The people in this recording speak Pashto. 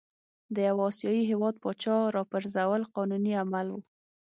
د یوه آسیايي هیواد پاچا را پرزول قانوني عمل وو.